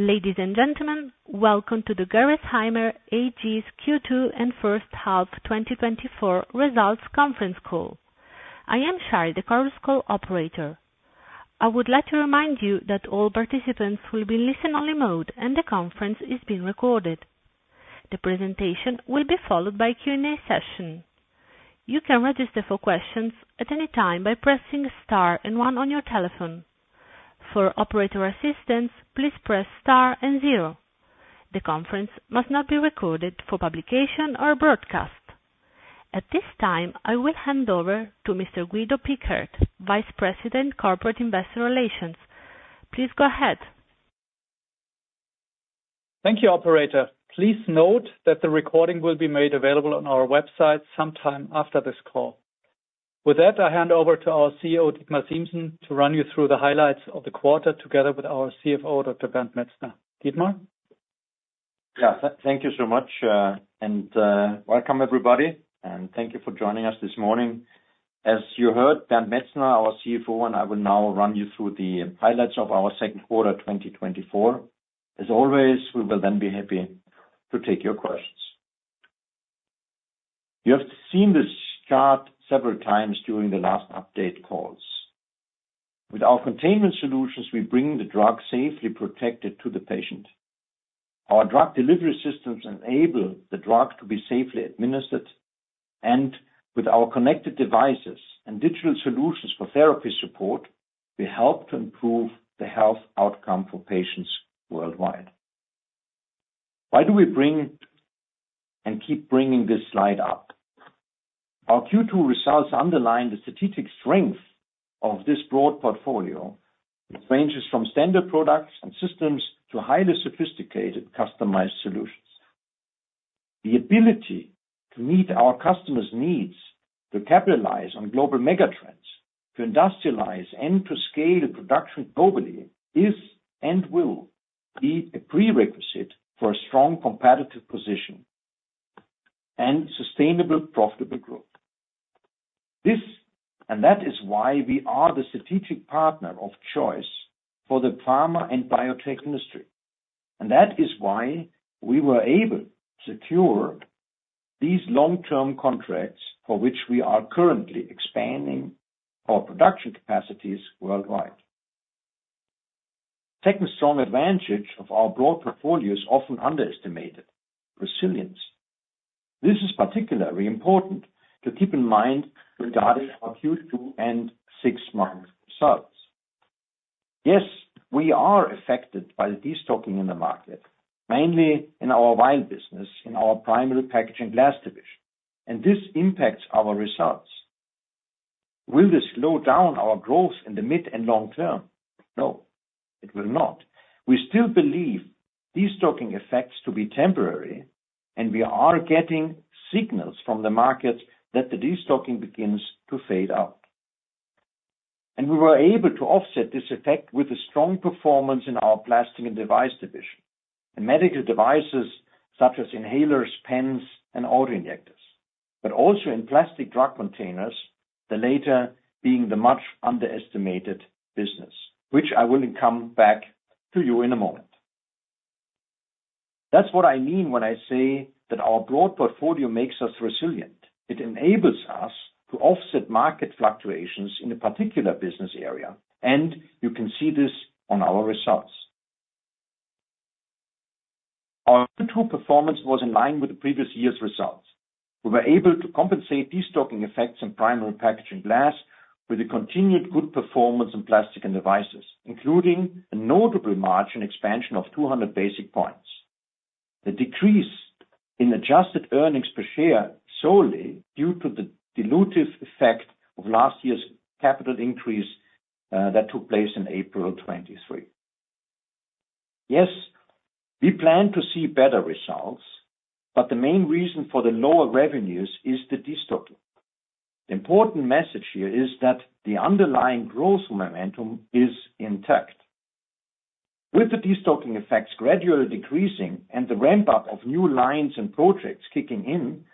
Ladies and gentlemen, welcome to the Gerresheimer AG's Q2 and H1 2024 results conference call. I am Shari, the Chorus Call operator. I would like to remind you that all participants will be in listen-only mode and the conference is being recorded. The presentation will be followed by a Q&A session. You can register for questions at any time by pressing star and one on your telephone. For operator assistance, please press star and zero. The conference must not be recorded for publication or broadcast. At this time, I will hand over to Mr. Guido Pickert, Vice President, Corporate Investor Relations. Please go ahead. Thank you, operator. Please note that the recording will be made available on our website sometime after this call. With that, I hand over to our CEO, Dietmar Siemssen, to run you through the highlights of the quarter, together with our CFO, Dr. Bernd Metzner. Dietmar? Thank you so much and welcome, everybody and thank you for joining us this morning. As you heard, Bernd Metzner, our CFO and I will now run you through the highlights of our Q2 2024. As always, we will then be happy to take your questions. You have seen this chart several times during the last update calls. With our containment solutions, we bring the drug safely protected to the patient. Our drug delivery systems enable the drug to be safely administered and with our connected devices and digital solutions for therapy support, we help to improve the health outcome for patients worldwide. Why do we bring and keep bringing this slide up? Our Q2 results underline the strategic strength of this broad portfolio, which ranges from standard products and systems to highly sophisticated, customized solutions. The ability to meet our customers' needs, to capitalize on global mega trends, to industrialize and to scale the production globally is and will be a prerequisite for a strong competitive position and sustainable, profitable growth. This and that is why we are the strategic partner of choice for the pharma and biotech industry and that is why we were able to secure these long-term contracts for which we are currently expanding our production capacities worldwide. Taking strong advantage of our broad portfolio is often underestimated: resilience. This is particularly important to keep in mind regarding our Q2 and six-month results. Yes, we are affected by the destocking in the market, mainly in our vial business, in our Primary Packaging Glass division and this impacts our results. Will this slow down our growth in the mid and long term? No, it will not. We still believe destocking effects to be temporary and we are getting signals from the markets that the destocking begins to fade out. We were able to offset this effect with a strong performance in our plastic and device division and medical devices such as inhalers, pens and autoinjectors also in plastic drug containers, the latter being the much underestimated business, which I will come back to you in a moment. That's when I say that our broad portfolio makes us resilient. It enables us to offset market fluctuations in a particular business area and you can see this on our results. Our Q2 performance was in line with the previous year's results. We were able to compensate destocking effects in primary packaging glass with a continued good performance in Plastics & Devices, including a notable margin expansion of 200 basis points. The decrease in adjusted earnings per share, solely due to the dilutive effect of last year's capital increase, that took place in April 2023. Yes, we plan to see better results the main reason for the lower revenues is the destocking. The important message here is that the underlying growth momentum is intact. With the destocking effects gradually decreasing and the ramp-up of new lines and projects kicking in,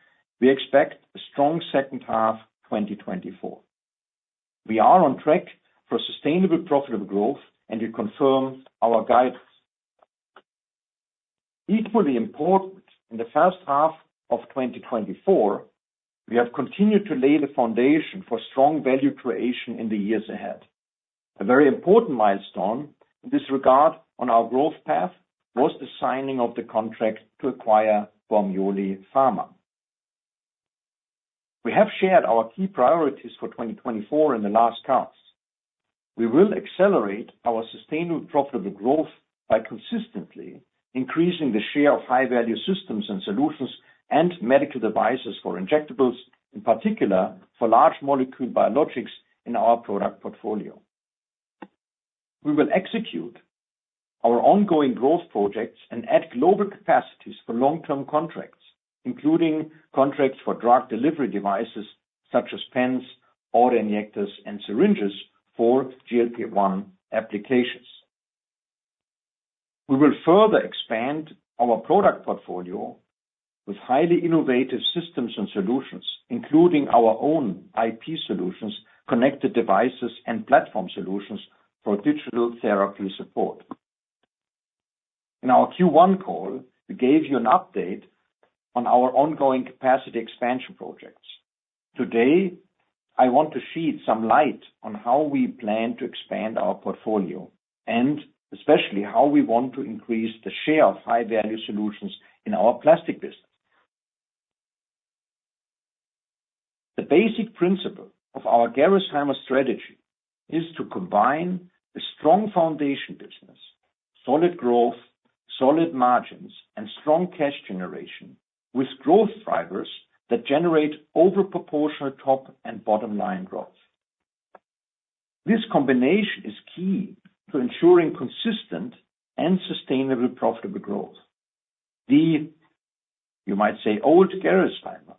we expect a strong H2 2024. We are on track for sustainable, profitable growth and we confirm our guidance. Equally important, in the H1 of 2024, we have continued to lay the foundation for strong value creation in the years ahead. A very important milestone in this regard on our growth path, was the signing of the contract to acquire Bormioli Pharma. We have shared our key priorities for 2024 in the last calls. We will accelerate our sustainable, profitable growth by consistently increasing the share of high-value systems and solutions and medical devices for injectables, in particular for large molecule biologics in our product portfolio. We will execute our ongoing growth projects and add global capacities for long-term contracts, including contracts for drug delivery devices such as pens, autoinjectors and syringes for GLP-1 applications. We will further expand our product portfolio with highly innovative systems and solutions, including our own IP solutions, connected devices and platform solutions for digital therapy support. In our Q1 call, we gave you an update on our ongoing capacity expansion projects. Today, I want to shed some light on how we plan to expand our portfolio and especially, how we want to increase the share of high-value solutions in our plastic business. The basic principle of our Gerresheimer strategy is to combine a strong foundation business, solid growth, solid margins and strong cash generation, with growth drivers that generate over proportional top and bottom line growth. This combination is key to ensuring consistent and sustainable, profitable growth. The, you might say, old Gerresheimer,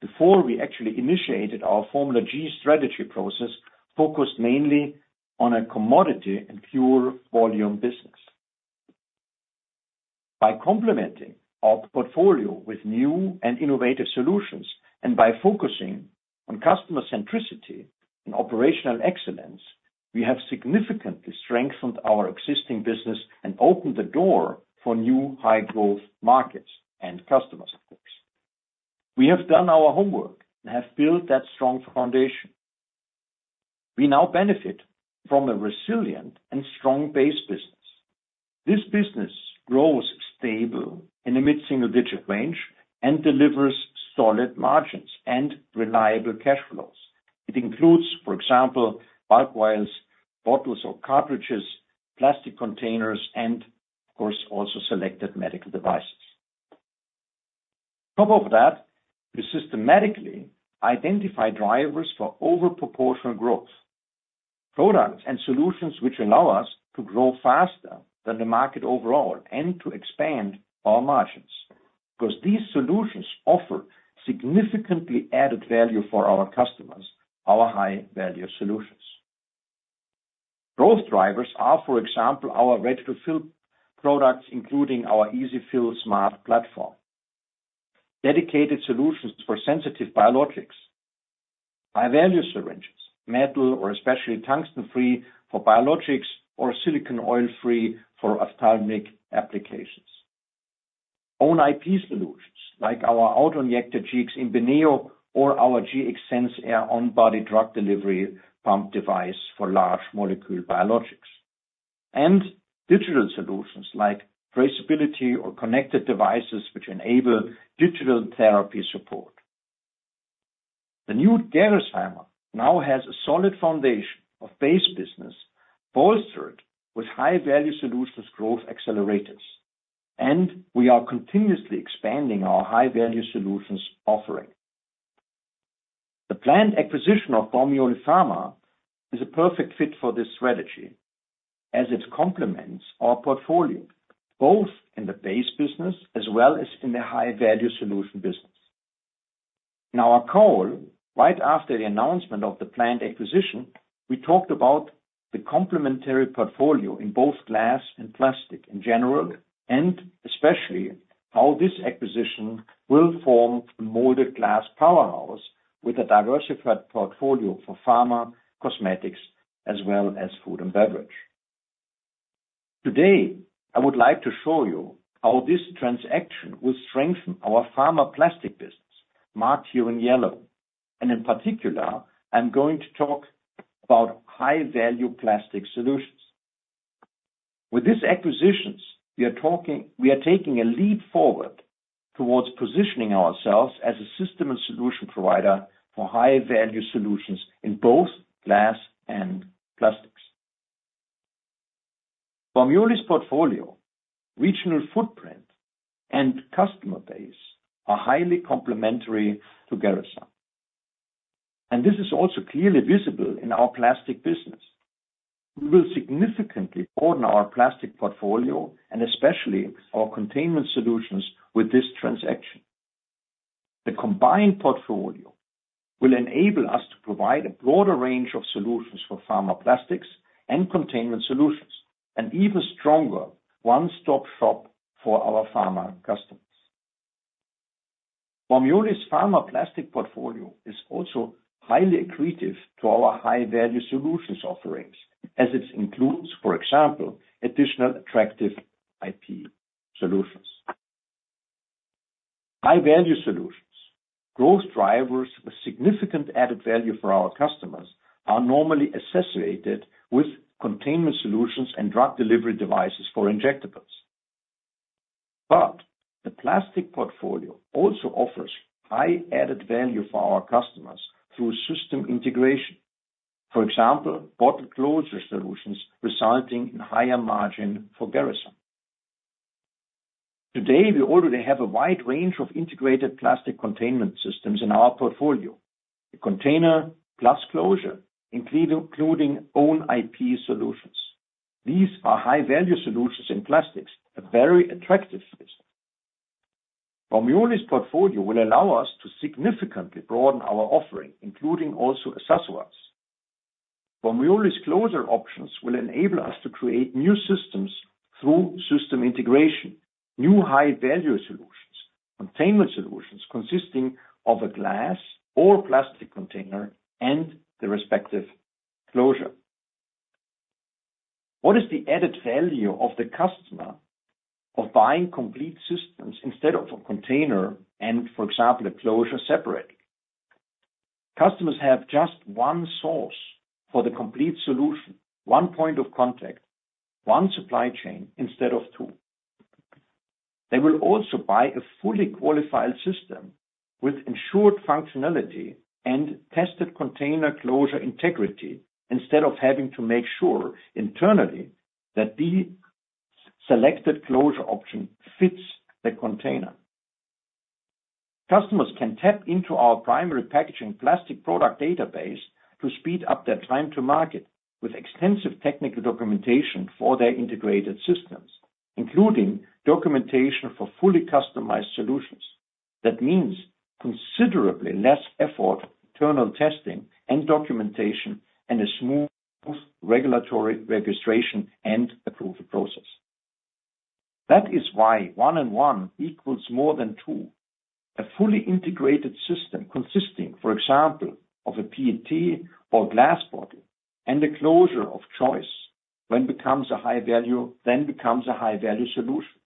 before we actually initiated our Formula G strategy process, focused mainly on a commodity and pure volume business. By complementing our portfolio with new and innovative solutions and by focusing on customer centricity and operational excellence, we have significantly strengthened our existing business and opened the door for new high-growth markets and customers, of course. We have done our homework and have built that strong foundation. We now benefit from a resilient and strong base business. This business grows stable in the mid-single-digit range and delivers solid margins and reliable cash flows. It includes, for example, bulk vials, bottles or cartridges, plastic containers and of course, also selected medical devices. On top of that, we systematically identify drivers for over-proportional growth, products and solutions which allow us to grow faster than the market overall and to expand our margins. Because these solutions offer significantly added value for our customers, our high-value solutions. Growth drivers are, for example, our ready-to-fill products, including our Ez-fill smart platform. Dedicated solutions for sensitive biologics. High-value syringes, metal or especially tungsten-free for biologics or silicone oil-free for ophthalmic applications. Our own IP solutions, like our autoinjector GX Inbeneo or our GX SensAir, our on-body drug delivery pump device for large molecule biologics. Digital solutions like traceability or connected devices, which enable digital therapy support. The new Gerresheimer now has a solid foundation of base business, bolstered with high-value solutions growth accelerators and we are continuously expanding our high-value solutions offering. The planned acquisition of Bormioli Pharma is a perfect fit for this strategy, as it complements our portfolio, both in the base business as well as in the high-value solution business. In our call, right after the announcement of the planned acquisition, we talked about the complementary portfolio in both glass and plastic in general and especially, how this acquisition will form a molded glass powerhouse with a diversified portfolio for pharma, cosmetics, as well as food and beverage. Today, I would like to show you how this transaction will strengthen our pharma plastic business, marked here in yellow. In particular, I'm going to talk about high-value plastic solutions. With these acquisitions, we are taking a leap forward towards positioning ourselves as a system and solution provider for High-Value Solutions in both glass and plastics. Bormioli's portfolio, regional footprint and customer base are highly complementary to Gerresheimer and this is also clearly visible in our plastic business. We will significantly broaden our plastic portfolio and especially our containment solutions, with this transaction. The combined portfolio will enable us to provide a broader range of solutions for pharma, plastics and containment solutions, an even stronger one-stop shop for our pharma customers. Bormioli's pharma plastic portfolio is also highly accretive to our High-Value Solutions offerings, as it includes, for example, additional attractive IP solutions. High-Value Solutions, growth drivers with significant added value for our customers, are normally associated with containment solutions and drug delivery devices for Injectables. The plastic portfolio also offers high added value for our customers through system integration. For example, bottle closure solutions, resulting in higher margin for Gerresheimer. Today, we already have a wide range of integrated plastic containment systems in our portfolio. The container plus closure, including own IP solutions. These are high-value solutions in plastics, a very attractive system. Bormioli's portfolio will allow us to significantly broaden our offering, including also accessories. Bormioli's closure options will enable us to create new systems through system integration, new high-value solutions, containment solutions consisting of a glass or plastic container and the respective closure. What is the added value for the customer of buying complete systems instead of a container and, for example, a closure separately? Customers have just one source for the complete solution, one point of contact, one supply chain instead of two. They will also buy a fully qualified system with ensured functionality and tested container closure integrity, instead of having to make sure internally that the selected closure option fits the container. Customers can tap into our primary packaging plastic product database to speed up their time to market, with extensive technical documentation for their integrated systems, including documentation for fully customized solutions. That means considerably less effort, internal testing and documentation and a smooth regulatory registration and approval process. That is why one and one equals more than two. A fully integrated system consisting, for example, of a PET or glass bottle and a closure of choice, when becomes a high value - then becomes a high-value solution.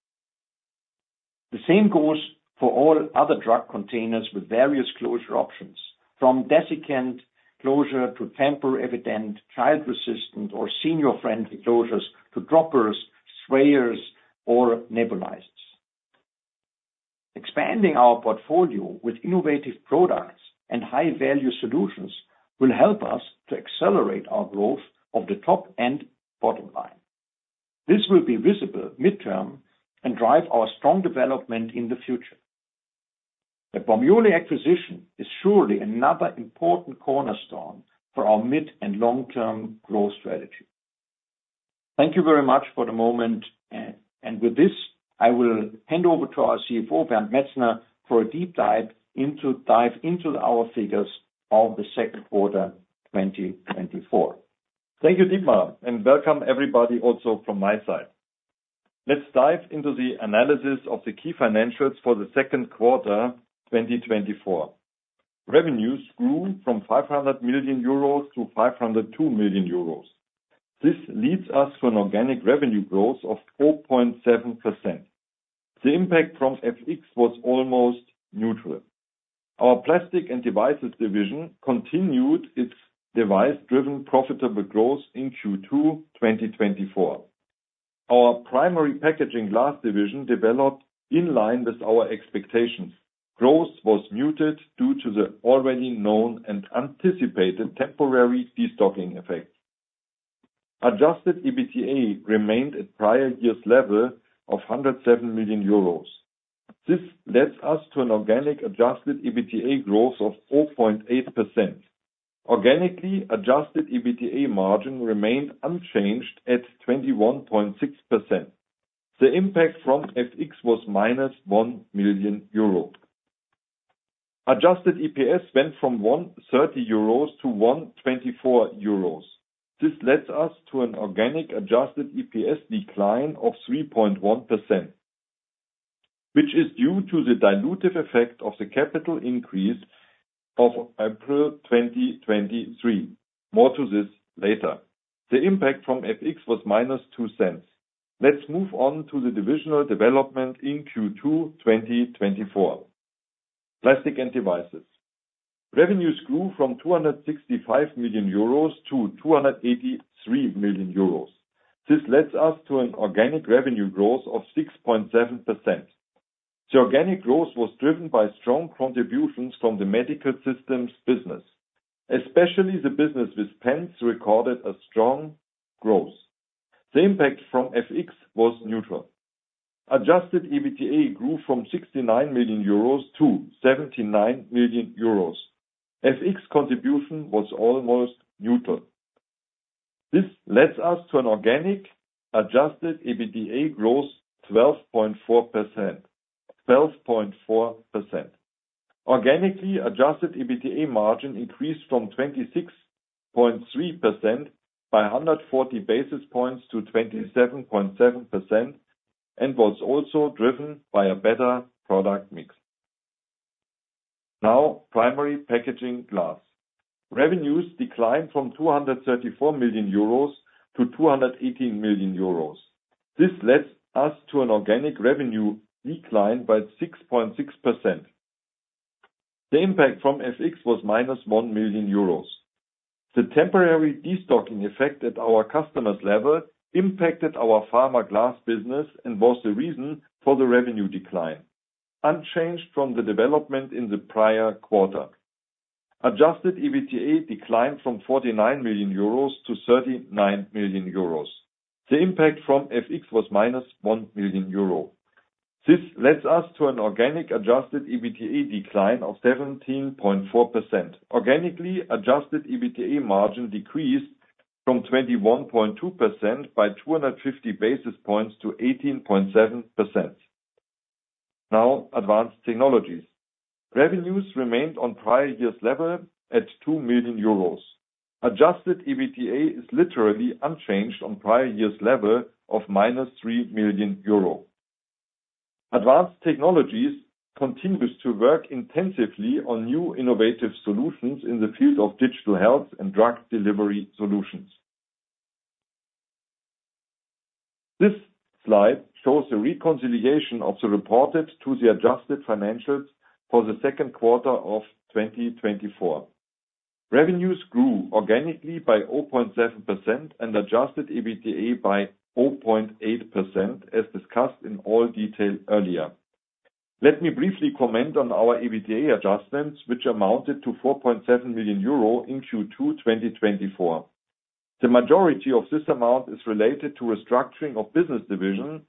The same goes for all other drug containers with various closure options, from desiccant closure to tamper-evident, child-resistant, or senior-friendly closures, to droppers, sprayers, or nebulizers. Expanding our portfolio with innovative products and high-value solutions will help us to accelerate our growth of the top and bottom line. This will be visible midterm and drive our strong development in the future. The Bormioli acquisition is surely another important cornerstone for our mid- and long-term growth strategy. Thank you very much for the moment and with this, I will hand over to our CFO, Bernd Metzner, for a deep dive into our figures of the Q2, 2024. Thank you, Dietmar and welcome, everybody, also from my side. Let's dive into the analysis of the key financials for the Q2, 2024. Revenues grew from 500 million euros to 502 million euros. This leads us to an organic revenue growth of 4.7%. The impact from FX was almost neutral. Our Plastics & Devices division continued its device-driven, profitable growth in Q2, 2024. Our Primary Packaging Glass division developed in line with our expectations. Growth was muted due to the already known and anticipated temporary destocking effect. Adjusted EBITDA remained at prior year's level of 107 million euros. This leads us to an organic adjusted EBITDA growth of 4.8%. Organically, adjusted EBITDA margin remained unchanged at 21.6%. The impact from FX was -1 million euro. Adjusted EPS went from 1.30 euros to 1.24 euros. This leads us to an organic adjusted EPS decline of 3.1%, which is due to the dilutive effect of the capital increase of April 2023. More to this later. The impact from FX was -0.02 EUR. Let's move on to the divisional development in Q2 2024. Plastics & Devices. Revenues grew from 265 million euros to 283 million euros. This leads us to an organic revenue growth of 6.7%. The organic growth was driven by strong contributions from the medical systems business, especially the business with pens recorded a strong growth. The impact from FX was neutral. Adjusted EBITDA grew from 69 million euros to 79 million euros. FX contribution was almost neutral. This leads us to an organic adjusted EBITDA growth, 12.4%. 12.4%. Organically, adjusted EBITDA margin increased from 26.3% by 140 basis points to 27.7% and was also driven by a better product mix. Now, Primary Packaging Glass. Revenues declined from 234 million euros to 218 million euros. This leads us to an organic revenue decline by 6.6%. The impact from FX was -1 million euros. The temporary destocking effect at our customer's level impacted our pharma glass business and was the reason for the revenue decline, unchanged from the development in the prior quarter. Adjusted EBITDA declined from 49 million euros to 39 million euros. The impact from FX was -1 million euro. This leads us to an organic adjusted EBITDA decline of 17.4%. Organically, adjusted EBITDA margin decreased from 21.2% by 250 basis points to 18.7%. Now, Advanced Technologies. Revenues remained on prior year's level at 2 million euros. Adjusted EBITDA is literally unchanged on prior year's level of -3 million euro. Advanced Technologies continues to work intensively on new innovative solutions in the field of digital health and drug delivery solutions. This slide shows a reconciliation of the reported to the adjusted financials for the Q2 of 2024. Revenues grew organically by 0.7% and adjusted EBITDA by 0.8%, as discussed in all detail earlier. Let me briefly comment on our EBITDA adjustments, which amounted to 4.7 million euro in Q2 2024. The majority of this amount is related to restructuring of business division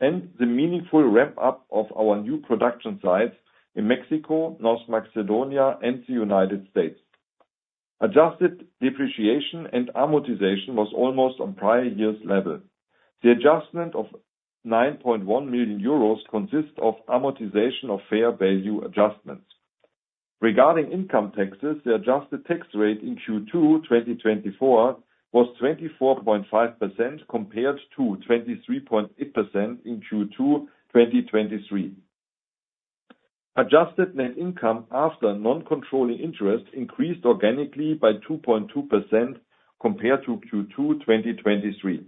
and the meaningful ramp-up of our new production sites in Mexico, North Macedonia and the United States. Adjusted depreciation and amortization was almost on prior year's level. The adjustment of 9.1 million euros consists of amortization of fair value adjustments. Regarding income taxes, the adjusted tax rate in Q2 2024 was 24.5%, compared to 23.8% in Q2 2023. Adjusted net income after non-controlling interest increased organically by 2.2% compared to Q2 2023.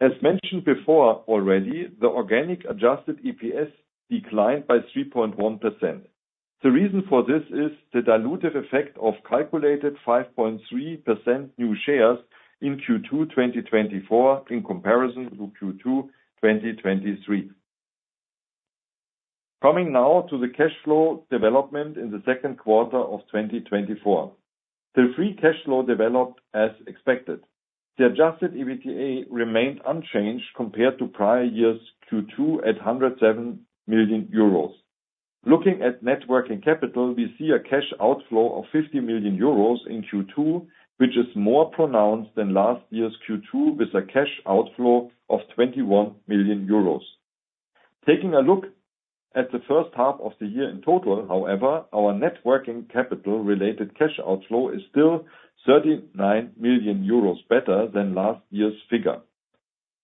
As mentioned before already, the organic adjusted EPS declined by 3.1%. The reason for this is the dilutive effect of calculated 5.3% new shares in Q2 2024 in comparison to Q2 2023. Coming now to the cash flow development in the Q2 of 2024. The free cash flow developed as expected. The adjusted EBITDA remained unchanged compared to prior year's Q2 at 107 million euros. Looking at net working capital, we see a cash outflow of 50 million euros in Q2, which is more pronounced than last year's Q2, with a cash outflow of 21 million euros. Taking a look at the H1 of the year in total, however, our net working capital-related cash outflow is still 39 million euros better than last year's figure.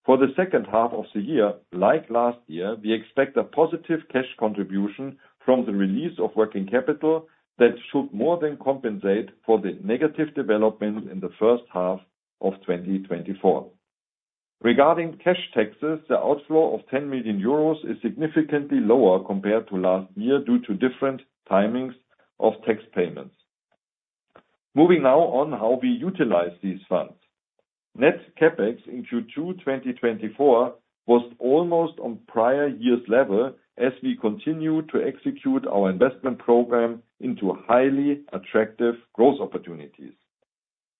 For the H2 of the year, like last year, we expect a positive cash contribution from the release of working capital that should more than compensate for the negative development in the H1 of 2024. Regarding cash taxes, the outflow of 10 million euros is significantly lower compared to last year, due to different timings of tax payments. Moving now on how we utilize these funds. Net CapEx in Q2 2024 was almost on prior year's level, as we continue to execute our investment program into highly attractive growth opportunities.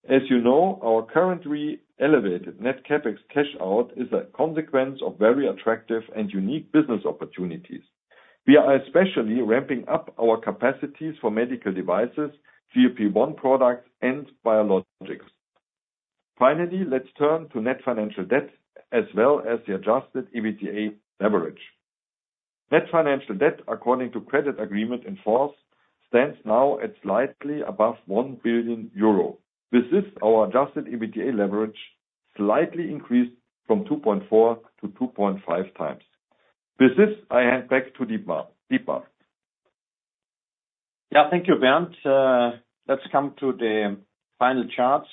As our currently elevated net CapEx cash out is a consequence of very attractive and unique business opportunities. We are especially ramping up our capacities for medical devices, GLP-1 products and biologics. Finally, let's turn to net financial debt, as well as the adjusted EBITDA leverage. Net financial debt, according to credit agreement in force, stands now at slightly above 1 billion euro. With this, our adjusted EBITDA leverage slightly increased from 2.4 to 2.5 times. With this, I hand back to Dietmar. Dietmar? Thank you, Bernd. Let's come to the final charts.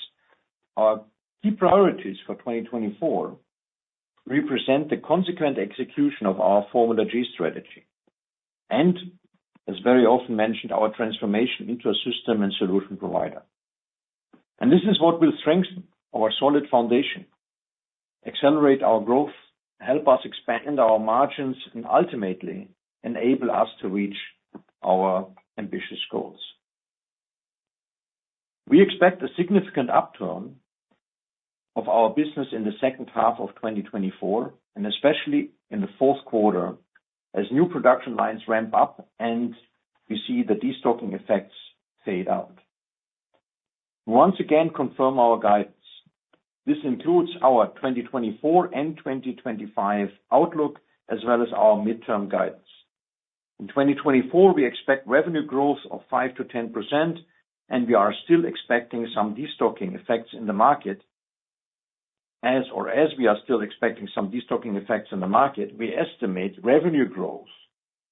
Our key priorities for 2024 represent the consequent execution of our Formula G strategy and as very often mentioned, our transformation into a system and solution provider. This is what will strengthen our solid foundation, accelerate our growth, help us expand our margins and ultimately enable us to reach our ambitious goals. We expect a significant upturn of our business in the H2 of 2024 and especially in the Q4, as new production lines ramp up and we see the destocking effects fade out. We once again confirm our guidance. This includes our 2024 and 2025 outlook, as well as our midterm guidance. In 2024, we expect revenue growth of 5%-10% and we are still expecting some destocking effects in the market. As we are still expecting some destocking effects in the market, we estimate revenue growth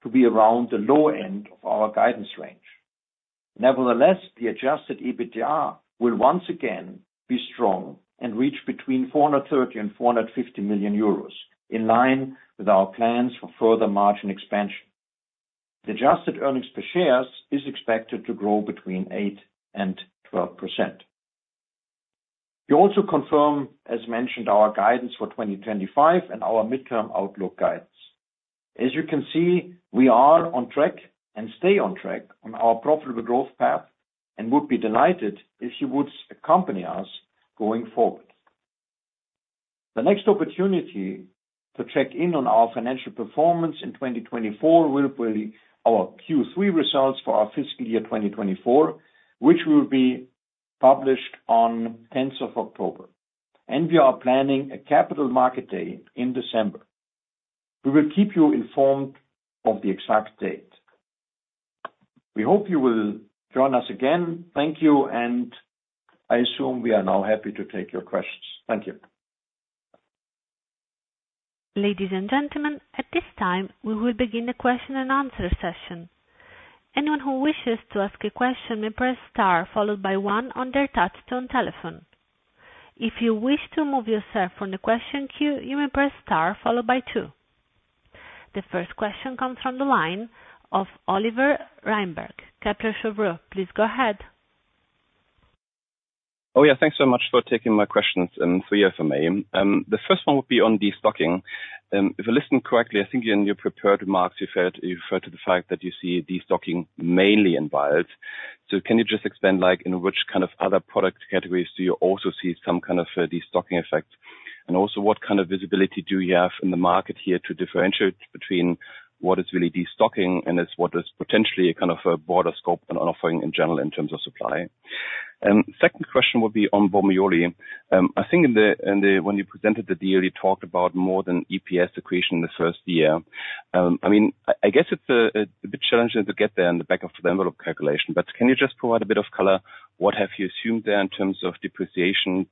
to be around the low end of our guidance range. Nevertheless, the adjusted EBITDA will once again be strong and reach between 430 million and 450 million euros, in line with our plans for further margin expansion. The adjusted earnings per share is expected to grow between 8% and 12%. We also confirm, as mentioned, our guidance for 2025 and our mid-term outlook guidance. As you can see, we are on track and stay on track on our profitable growth path and would be delighted if you would accompany us going forward. The next opportunity to check in on our financial performance in 2024 will be our Q3 results for our fiscal year 2024, which will be published on the tenth of October. We are planning a capital market day in December. We will keep you informed of the exact date. We hope you will join us again. Thank you and I assume we are now happy to take your questions. Thank you. Ladies and gentlemen, at this time, we will begin the question and answer session. Anyone who wishes to ask a question, may press star followed by one on their touchtone telephone. If you wish to remove yourself from the question queue, you may press star followed by two. The first question comes from the line of Oliver Reinberg from Kepler Cheuvreux. Please go ahead. Thanks so much for taking my questions and three FMA. The first one would be on destocking. If I listen correctly, in your prepared remarks, you referred, you referred to the fact that you see destocking mainly in vials. Can you just expand, like, in which kind of other product categories do you also see some kind of destocking effect? And also, what kind of visibility do you have in the market here to differentiate between what is really destocking and is, what is potentially a kind of a broader scope and offering in general in terms of supply? And second question would be on Bormioli. When you presented the deal, you talked about more than EPS accretion in the first year. It's a bit challenging to get there on the back of the envelope calculation. Can you just provide a bit of color? What have you assumed there in terms of depreciation,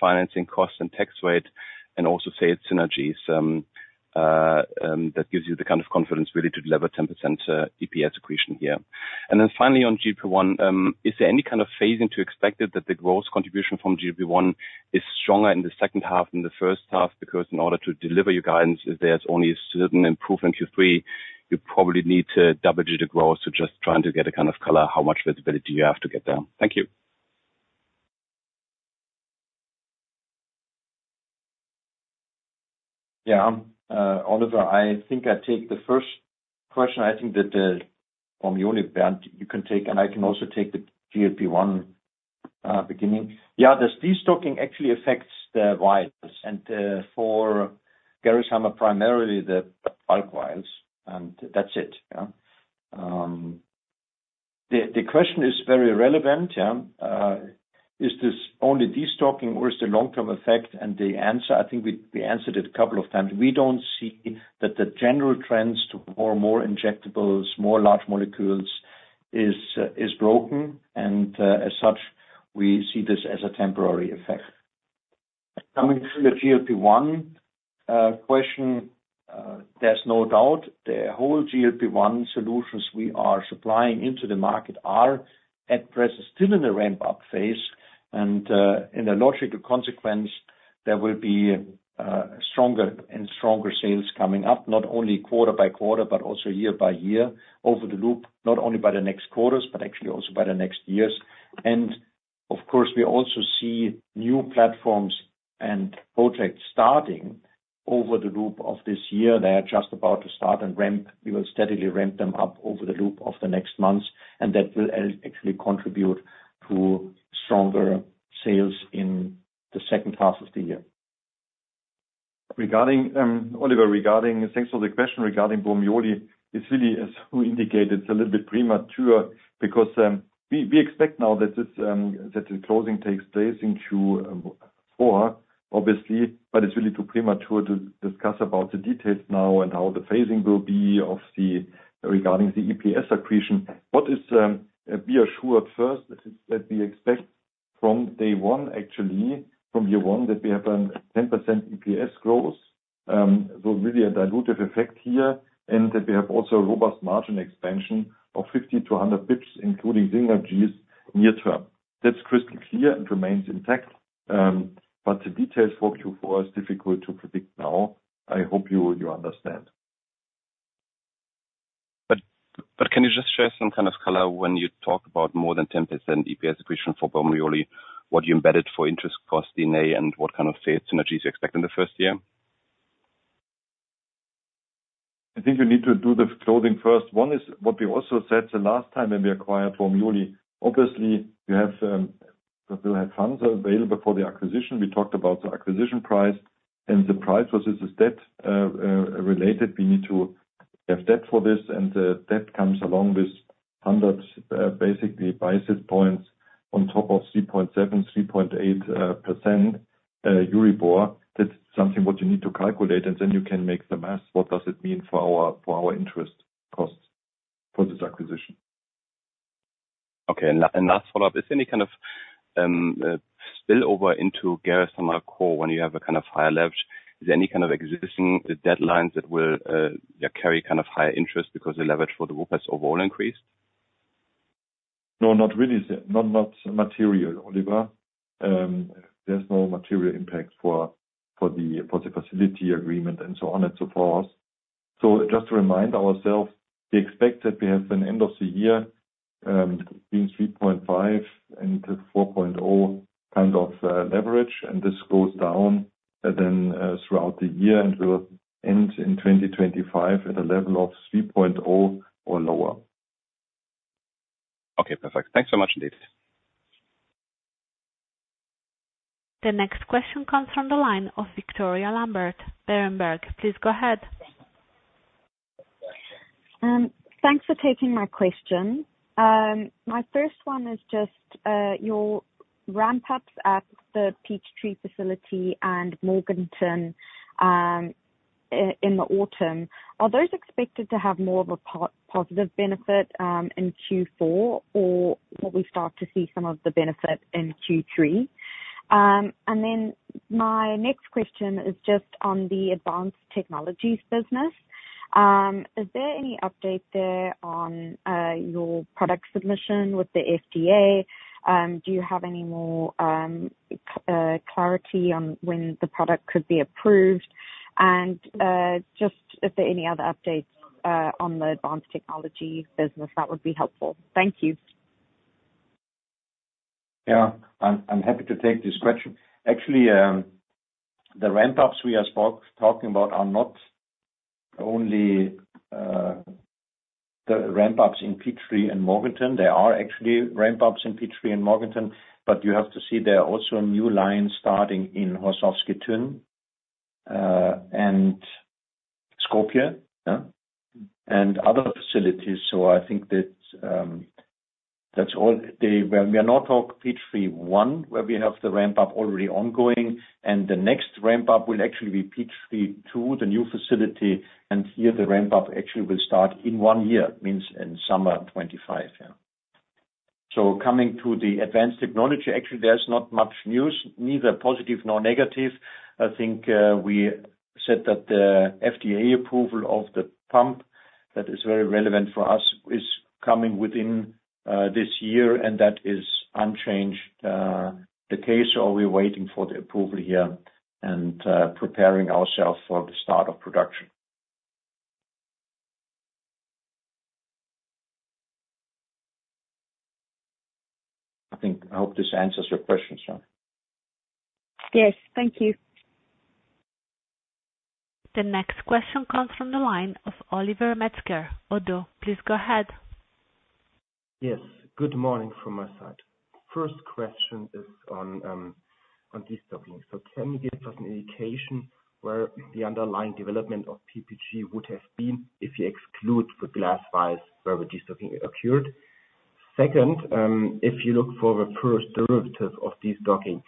financing costs and tax rate and also say, synergies, that gives you the kind of confidence really to deliver 10%, EPS accretion here? And then finally, on GLP-1, is there any kind of phasing to expect it, that the growth contribution from GLP-1 is stronger in the H2 than the H1? Because in order to deliver your guidance, if there's only a certain improvement in Q3, you probably need to double-digit growth. Just trying to get a kind of color, how much visibility you have to get there. Thank you. Oliver, I take the first question that from your end, Bernd, you can take and I can also take the GLP-1 beginning. The destocking actually affects the vials and for Gerresheimer, primarily the bulk vials and that's it. The question is very relevant. Is this only destocking or is the long-term effect and we answered it a couple of times. We don't see that the general trends to more and more injectables, more large molecules, is broken and as such, we see this as a temporary effect. Coming to the GLP-1 question, there's no doubt the whole GLP-1 solutions we are supplying into the market are at present still in a ramp-up phase. in a logical consequence, there will be stronger and stronger sales coming up, not only quarter by quarter also year by year, over the loop, not only by the next quarters actually also by the next years. Of course, we also see new platforms and projects starting over the loop of this year. They are just about to start and ramp. We will steadily ramp them up over the loop of the next months and that will actually contribute to stronger sales in the H2 of the year. Regarding Oliver, regarding... Thanks for the question. Regarding Bormioli, it's really, as we indicated, it's a little bit premature because we expect now that the closing takes place in Q4, obviously it's really too premature to discuss about the details now and how the phasing will be regarding the EPS accretion. We are sure at first, that is, that we expect from day one, actually, from year one, that we have 10% EPS growth, so really a dilutive effect here and that we have also a robust margin expansion of 50-100 basis points, including synergies near term. That's crystal clear and remains intact the details for Q4 is difficult to predict now. I hope you understand. Can you just share some kind of color when you talk about more than 10% EPS accretion for Bormioli, what you embedded for interest cost in a and what kind of, say, synergies you expect in the first year? We need to do the closing first. One is, what we also said the last time when we acquired Bormioli, obviously, you have, we'll have funds available for the acquisition. We talked about the acquisition price and the price was, is, is debt related. We need to have debt for this and the debt comes along with hundreds, basically, basis points on top of 3.7-3.8% Euribor. That's something what you need to calculate and then you can make the math. What does it mean for our, for our interest costs for this acquisition? The last follow-up. Is there any kind of spillover into Gerresheimer core when you have a kind of higher leverage? Is there any kind of existing debt lines that will carry kind of higher interest because the leverage for the group has overall increased? No, not really. Not material, Oliver. There's no material impact for, for the, for the facility agreement and so on and so forth. Just to remind ourselves, we expect that we have an end of the year, being 3.5 and 4.0, kind of, leverage and this goes down then, throughout the year and will end in 2025 at a level of 3.0 or lower. Perfect. Thanks so much indeed. The next question comes from the line of Victoria Lambert from Berenberg. Please go ahead. Thanks for taking my question. My first one is just your ramp-ups at the Peachtree facility and Morganton, in the autumn, are those expected to have more of a positive benefit, in Q4 or will we start to see some of the benefit in Q3? And then my next question is just on the Advanced Technologies business. Is there any update there on your product submission with the FDA? Do you have any more clarity on when the product could be approved? And just if there are any other updates on the advanced technology business, that would be helpful. Thank you. I'm happy to take this question. Actually, the ramp-ups we are talking about are not only the ramp-ups in Peachtree and Morganton. They are actually ramp-ups in Peachtree and Morganton you have to see there are also new lines starting in Horšovský Týn and Skopje and other facilities that's all. We are not talking Peachtree one, where we have the ramp-up already ongoing and the next ramp-up will actually be Peachtree two, the new facility and here, the ramp-up actually will start in one year, means in summer 2025. Coming to the advanced technology, actually, there's not much news, neither positive nor negative. We said that the FDA approval of the pump that is very relevant for us is coming within this year and that is unchanged the case. We're waiting for the approval here and preparing ourself for the start of production. I hope this answers your question, Shari. Yes, thank you. The next question comes from the line of Oliver Metzger from ODDO. Please go ahead. Yes, good morning from my side. First question is on destocking. Can you give us an indication where the underlying development of PPG would have been if you exclude the glass vials where the destocking occurred? Second, if you look for the first derivative of destocking,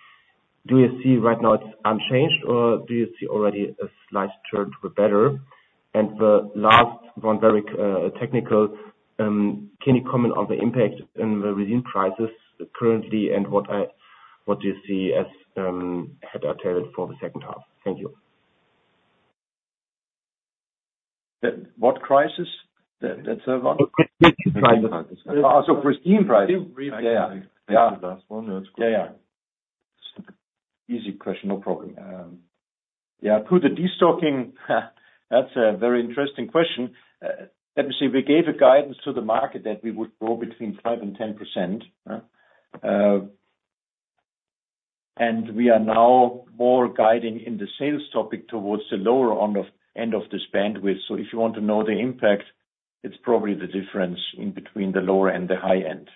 do you see right now it's unchanged, or do you see already a slight turn for better? And the last one, very technical, can you comment on the impact in the resin prices currently and what you see as head-to-head for the H2? Thank you. What crisis? That one. Resin prices. Easy question, no problem. To the destocking, that's a very interesting question. Let me see, we gave a guidance to the market that we would grow between 5% and 10% and we are now more guiding in the sales topic towards the lower end of this bandwidth. If you want to know the impact, it's probably the difference in between the lower and the high end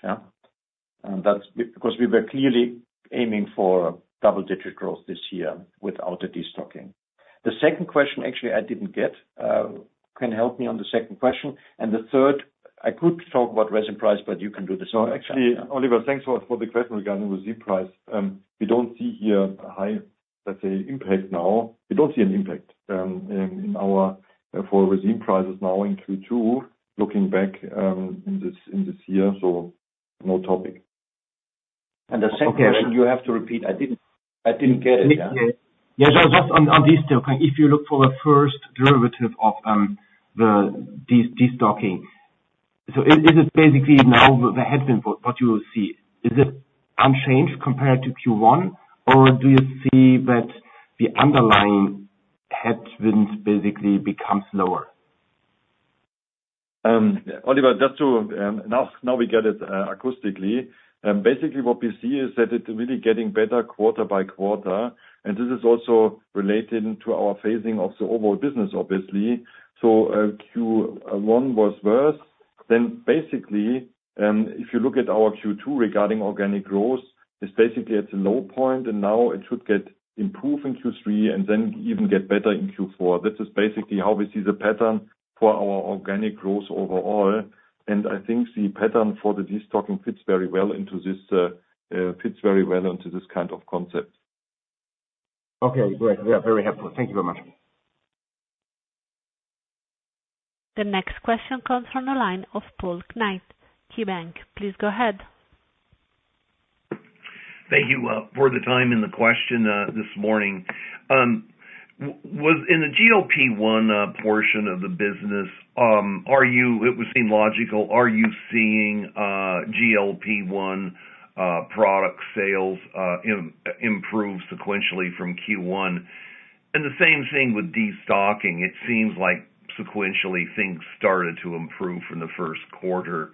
and that's because we were clearly aiming for double-digit growth this year without the destocking. The second question, actually, I didn't get. Can you help me on the second question? And the third, I could talk about resin price you can do this one. Actually, Oliver, thanks for the question regarding the resin price. We don't see here a high, let's say, impact now. We don't see an impact in our for resin prices now in Q2, looking back in this year, so no topic. The second question, you have to repeat. I didn't get it. Just on destocking. If you look for the first derivative of the destocking, so is it basically now the headwind for what you see? Is it unchanged compared to Q1, or do you see that the underlying headwinds basically become lower? Oliver, just to now we get it acoustically. Basically, what we see is that it's really getting better quarter by quarter and this is also related to our phasing of the overall business, obviously. So, Q1 was worse. Then basically, if you look at our Q2 regarding organic growth, it's basically at a low point and now it should get improved in Q3 and then even get better in Q4. This is basically how we see the pattern for our organic growth overall and the pattern for the destocking fits very well into this, fits very well into this kind of concept. Great. We are very helpful. Thank you very much. The next question comes from the line of Paul Knight from KeyBanc. Please go ahead. Thank you for the time and the question this morning. What was in the GLP-1 portion of the business, are you... It would seem logical, are you seeing GLP-1 product sales improve sequentially from Q1? And the same thing with destocking. It seems like sequentially, things started to improve from the Q1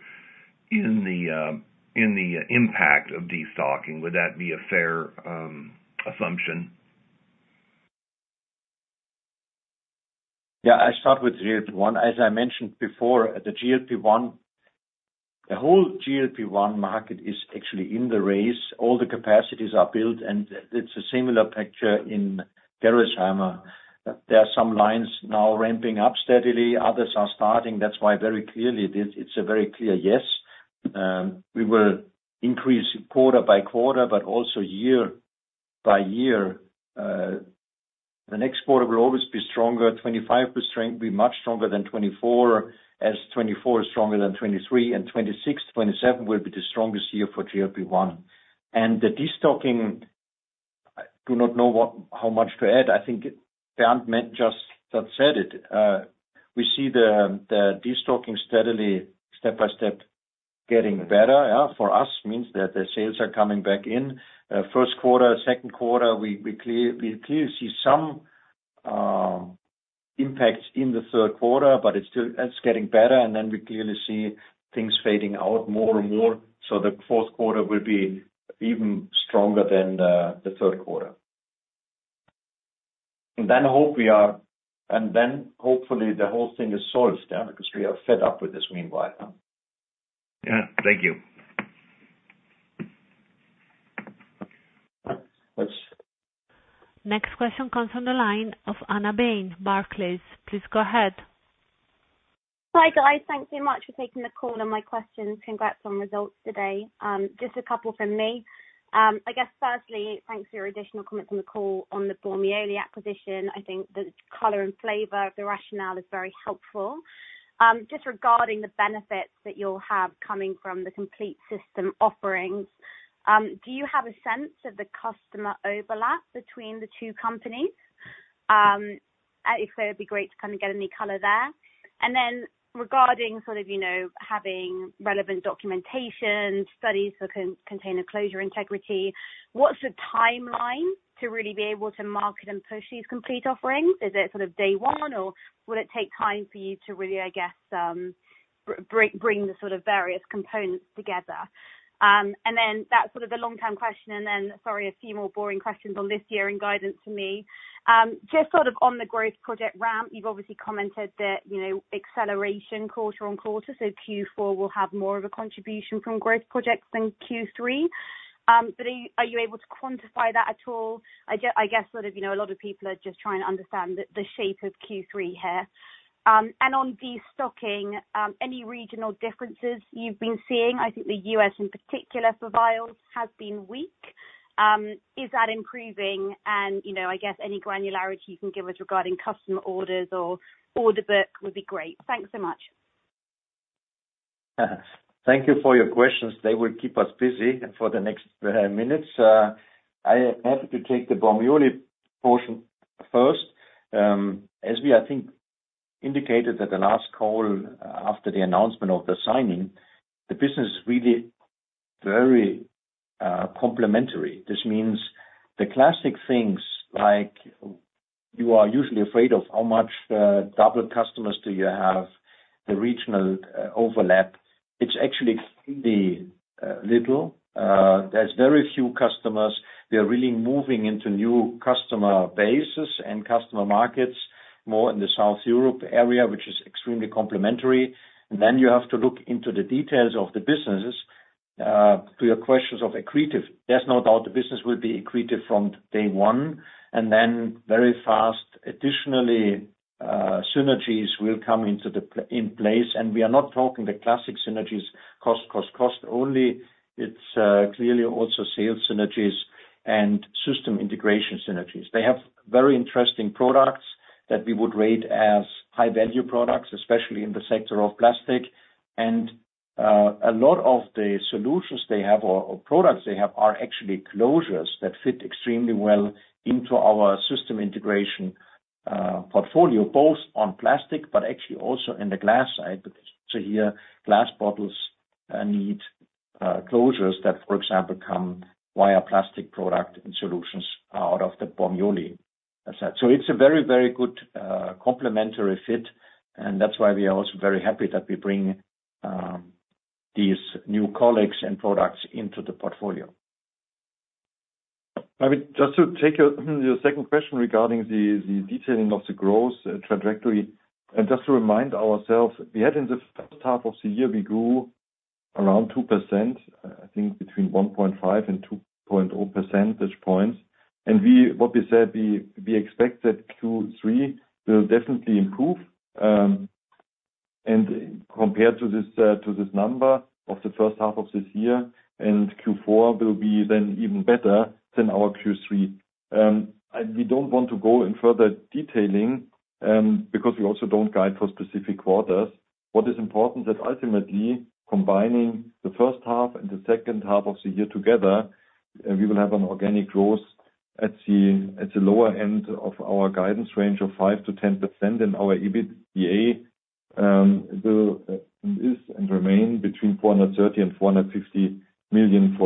in the impact of destocking. Would that be a fair assumption? I start with GLP-1. As I mentioned before, the GLP-1. The whole GLP-1 market is actually in the race. All the capacities are built and it's a similar picture in Gerresheimer. There are some lines now ramping up steadily, others are starting. That's why very clearly, it is, it's a very clear yes. We will increase quarter by quarter also year by year. The next quarter will always be stronger. 2025 will be much stronger than 2024, as 2024 is stronger than 2023 and 2026, 2027 will be the strongest year for GLP-1 and the destocking, I do not know how much to add. Bernd meant just, just said it. We see the, the destocking steadily step by step getting better. For us, means that the sales are coming back in. Q1, Q2, we clearly see some impacts in the q3 it's still getting better and then we clearly see things fading out more and more. The Q4 will be even stronger than the Q3 and then hopefully the whole thing is solved because we are fed up with this meanwhile, huh? Thank you. Next question comes on the line of Ana Bain from Barclays. Please go ahead. Hi, guys. Thank you very much for taking the call and my questions. Congrats on results today. Just a couple from me. Firstly, thanks for your additional comments on the call on the Bormioli acquisition. The color and flavor of the rationale is very helpful. Just regarding the benefits that you'll have coming from the complete system offerings, do you have a sense of the customer overlap between the two companies? If so, it'd be great to kind of get any color there and then regarding sort of having relevant documentation, studies for container closure integrity, what's the timeline to really be able to market and push these complete offerings? Is it sort of day one, or will it take time for you to really bring the sort of various components together? And then that's sort of the long-term question and then, sorry, a few more boring questions on this year in guidance for me. Just sort of on the growth project ramp, you've obviously commented that acceleration quarter on quarter, so Q4 will have more of a contribution from growth projects than Q3. Are you able to quantify that at all? A lot of people are just trying to understand the shape of Q3 here and on destocking, any regional differences you've been seeing? The U.S. in particular for vials has been weak. Is that improving and any granularity you can give us regarding customer orders or order book would be great. Thanks so much. Thank you for your questions. They will keep us busy for the next minutes. I am happy to take the Bormioli portion first. As we indicated at the last call, after the announcement of the signing, the business is really very complementary. This means the classic things, like you are usually afraid of, how much double customers do you have? The regional overlap, it's actually extremely little. There's very few customers. We are really moving into new customer bases and customer markets, more in the South Europe area, which is extremely complementary. Then you have to look into the details of the businesses. To your questions of accretive, there's no doubt the business will be accretive from day one and then very fast. Additionally, synergies will come into place and we are not talking the classic synergies, cost, cost, cost only. It's clearly also sales synergies and system integration synergies. They have very interesting products that we would rate as high-value products, especially in the sector of plastic and a lot of the solutions they have or products they have are actually closures that fit extremely well into our system integration portfolio, both on plastic actually also in the glass side. Here, glass bottles need closures that, for example, come via plastic product and solutions out of the Bormioli asset. It's a very good complementary fit and that's why we are also very happy that we bring these new colleagues and products into the portfolio. Just to take your, your second question regarding the, the detailing of the growth trajectory and just to remind ourselves, we had in the H1 of the year, we grew around 2% between 1.5 and 2.0 percentage points and we, what we said, we, we expect that Q3 will definitely improve and compared to this, to this number of the H1 of this year and Q4 will be then even better than our Q3 and we don't want to go in further detailing, because we also don't guide for specific quarters. What is important that ultimately, combining the H1 and the H2 of the year together, we will have an organic growth at the lower end of our guidance range of 5%-10% and our EBITDA will, is and remain between 430 million and 450 million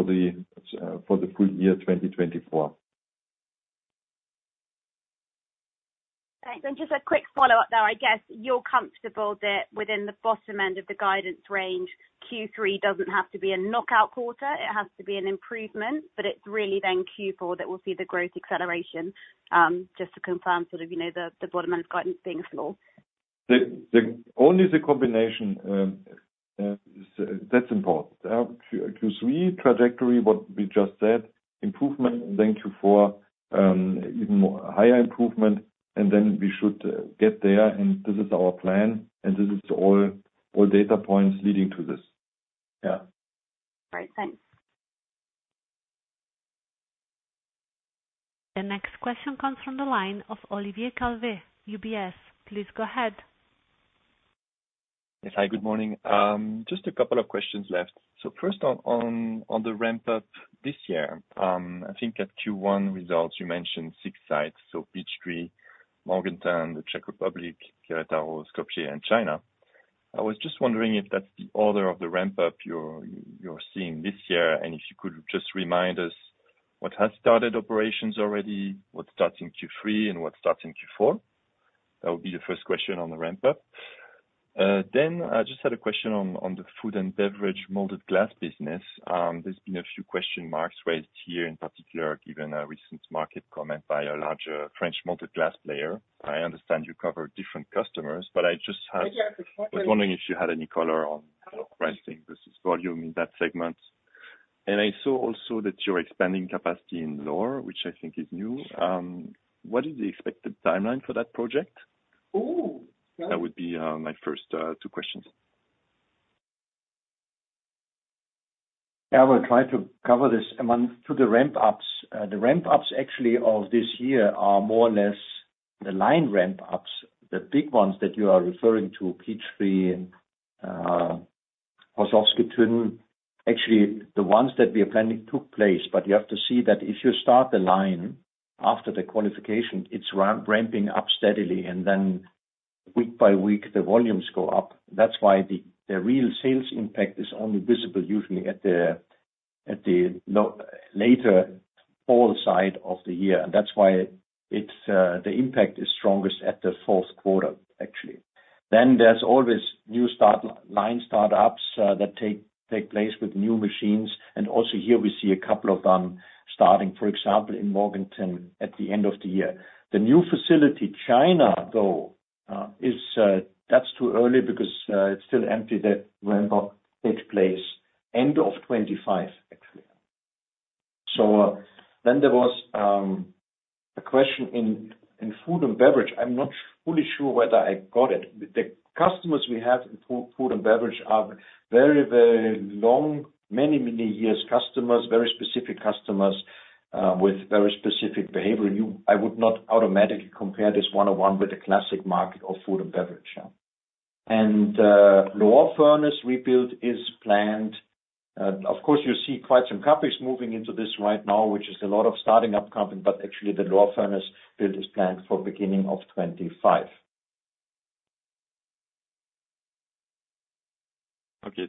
for the full year 2024. Thanks and just a quick follow-up, though. You're comfortable that within the bottom end of the guidance range, Q3 doesn't have to be a knockout quarter. It has to be an improvement it's really then Q4 that will see the growth acceleration, just to confirm the bottom-end guidance being slow. The only combination that's important. Q3 trajectory, what we just said, improvement. Then Q4, even more higher improvement and then we should get there and this is our plan and this is all data points leading to this. Great, thanks. The next question comes from the line of Olivier Calvet from UBS. Please go ahead. Yes, hi, good morning. Just a couple of questions left. First on the ramp up this year at Q1 results, you mentioned six sites, so Peachtree, Morganton, the Czech Republic, Querétaro, Skopje and China. I was just wondering if that's the order of the ramp up you're seeing this year and if you could just remind us what has started operations already, what starts in Q3 and what starts in Q4? That would be the first question on the ramp up. Then I just had a question on the food and beverage molded glass business. There's been a few question marks raised here, in particular, given a recent market comment by a larger French molded glass player. I understand you cover different customers I was wondering if you had any color on pricing versus volume in that segment and I saw also that you're expanding capacity in Lohr, which is new. What is the expected timeline for that project? That would be my first two questions. I will try to cover this. To the ramp ups, the ramp ups actually of this year are more or less the line ramp ups. The big ones that you are referring to, Peachtree and Horšovský Týn, actually, the ones that we are planning took place. You have to see that if you start the line after the qualification, it's ramping up steadily and then week by week, the volumes go up. That's why the real sales impact is only visible usually at the later fall side of the year and that's why it's the impact is strongest at the Q4, actually. Then there's always new line start-ups that take place with new machines and also here we see a couple of them starting, for example, in Morganton at the end of the year. The new facility, China, though, is that's too early because it's still empty. That ramp up takes place end of 2025, actually. So, then there was a question in food and beverage. I'm not fully sure whether I got it. The customers we have in food and beverage are very, very long, many, many years customers, very specific customers, with very specific behavior. I would not automatically compare this one-on-one with the classic market of food and beverage and, Lohr furnace rebuild is planned. Of course, you see quite some capacities moving into this right now, which is a lot of starting up capacity actually the Lohr furnace build is planned for beginning of 2025.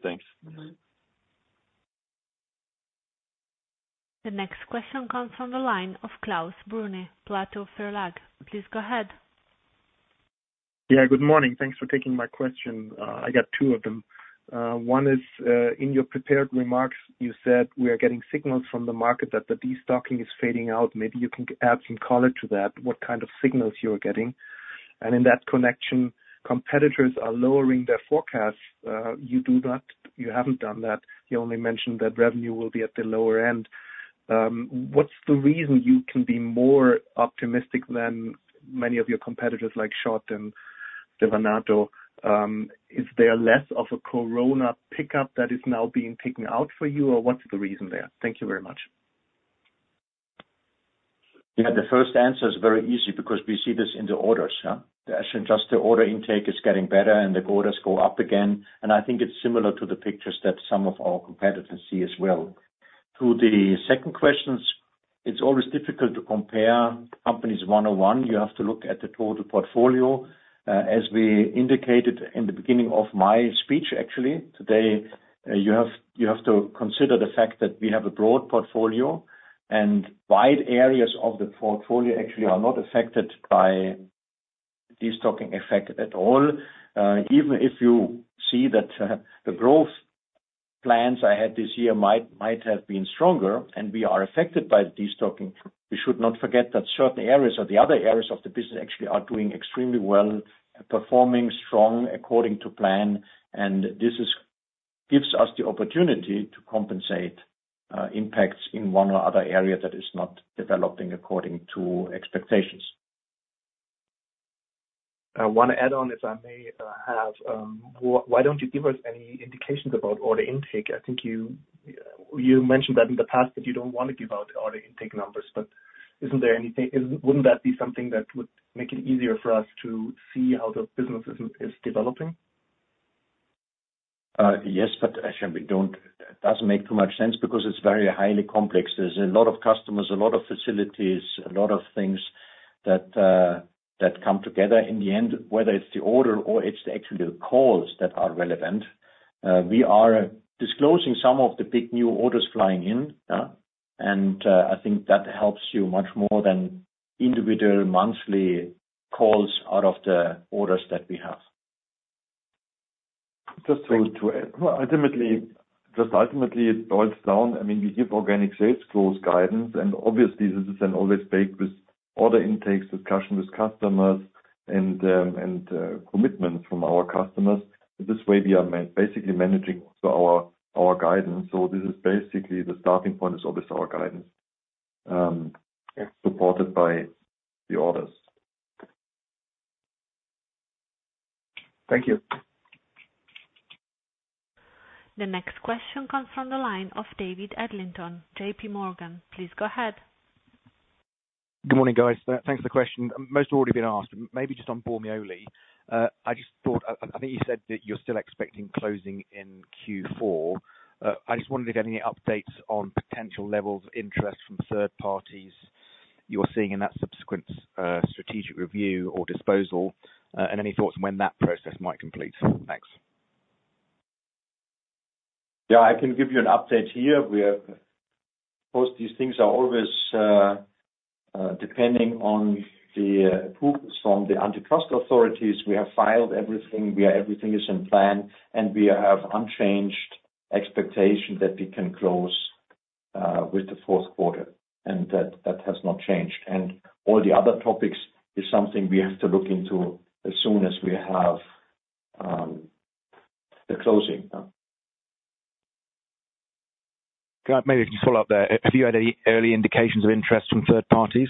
Thanks. The next question comes from the line of Klaus Brune from Platow Verlag. Please go ahead. Good Morning. Thanks for taking my question. I got two of them. One is, in your prepared remarks, you said, "We are getting signals from the market that the destocking is fading out." Maybe you can add some color to that, what kind of signals you are getting? And in that connection, competitors are lowering their forecasts. You do not, you haven't done that. You only mentioned that revenue will be at the lower end. What's the reason you can be more optimistic than many of your competitors, like Schott and Stevanato? Is there less of a Corona pickup that is now being taken out for you, or what's the reason there? Thank you very much. The first answer is very easy, because we see this in the orders. Actually, just the order intake is getting better and the orders go up again and it's similar to the pictures that some of our competitors see as well. To the second questions, it's always difficult to compare companies one-on-one. You have to look at the total portfolio. As we indicated in the beginning of my speech, actually, today, you have, you have to consider the fact that we have a broad portfolio and wide areas of the portfolio actually are not affected by destocking effect at all. Even if you see that the growth plans I had this year might have been stronger and we are affected by the destocking, we should not forget that certain areas or the other areas of the business actually are doing extremely well, performing strong according to plan and this gives us the opportunity to compensate impacts in one or other area that is not developing according to expectations. I want to add on, if I may, why don't you give us any indications about order intake. You mentioned that in the past, that you don't want to give out order intake numbers isn't there anything? Wouldn't that be something that would make it easier for us to see how the business is developing? yes actually, we don't. It doesn't make too much sense because it's very highly complex. There's a lot of customers, a lot of facilities, a lot of things that come together. In the end, whether it's the order or it's actually the calls that are relevant, we are disclosing some of the big new orders flying in and that helps you much more than individual monthly calls out of the orders that we have. Just things to add. Well, ultimately it boils down. We give organic sales growth guidance and obviously this is an always baked with order intakes, discussion with customers and commitment from our customers. This way, we are basically managing to our guidance. This is basically the starting point is always our guidance, supported by the orders. Thank you. The next question comes from the line of David Adlington from JPMorgan. Please go ahead. Good morning, guys. Thanks for the question. Most have already been asked. Maybe just on Bormioli. I just thought you said that you're still expecting closing in Q4. I just wondered if you had any updates on potential levels of interest from third parties you're seeing in that subsequent strategic review or disposal and any thoughts on when that process might complete? Thanks. I can give you an update here. We have, of course, these things are always depending on the approvals from the antitrust authorities. We have filed everything. We are, everything is in plan and we have unchanged expectation that we can close with the Q4 and that, that has not changed and all the other topics is something we have to look into as soon as we have the closing. Can I maybe just follow up there? Have you had any early indications of interest from third parties?